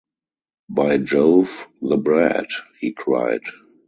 “By Jove, the bread!” he cried.